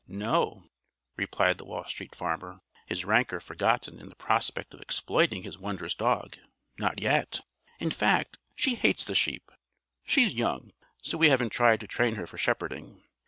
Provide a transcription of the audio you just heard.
"No," replied the Wall Street Farmer, his rancor forgotten in the prospect of exploiting his wondrous dog, "not yet. In fact, she hates the sheep. She's young, so we haven't tried to train her for shepherding.